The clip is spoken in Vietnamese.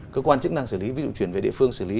cơ quan chức năng xử lý ví dụ chuyển về địa phương xử lý